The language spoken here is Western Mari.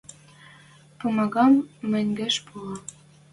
Пумагам мӹнгеш пуа.